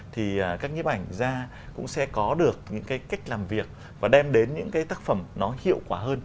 thì các nhiếp ảnh ra cũng sẽ có được những cái cách làm việc và đem đến những cái tác phẩm nó hiệu quả hơn